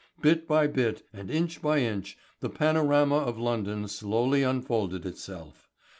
Bit by bit and inch by inch the panorama of London slowly unfolded itself.